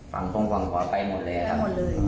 ฝั่งพงฝั่งขวาไปหมดเลยครับ